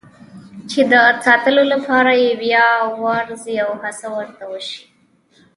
چې د ساتلو لپاره یې بیا وارزي او هڅه ورته وشي.